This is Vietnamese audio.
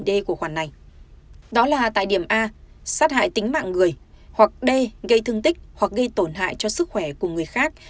đó là tại điểm a sát hại tính mạng người hoặc đê gây thương tích hoặc gây tổn hại cho sức khỏe của người khác